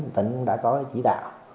tỉnh đã có chỉ đạo